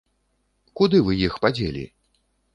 Куды вы іх падзелі?